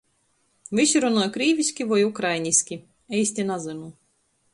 Vysi runoj krīviski voi ukrainiski, eisti nazynu.